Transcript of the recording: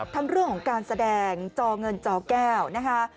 ทั้งเรื่องของการแสดงจอเงินจอแก้วนะคะ